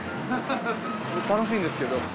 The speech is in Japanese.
楽しいんですけど。